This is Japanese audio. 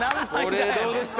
これどうですか？